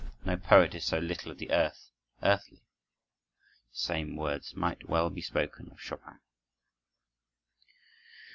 No poet is so little of the earth, earthy." The same words might well be spoken of Chopin.